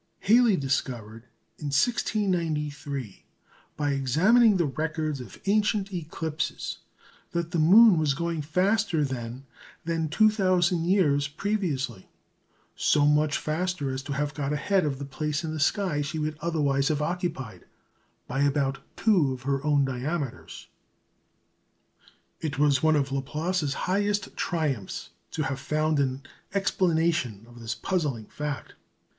Halley discovered in 1693, by examining the records of ancient eclipses, that the moon was going faster then than 2,000 years previously so much faster, as to have got ahead of the place in the sky she would otherwise have occupied, by about two of her own diameters. It was one of Laplace's highest triumphs to have found an explanation of this puzzling fact.